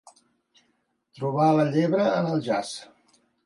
Trobar la llebre en el jaç.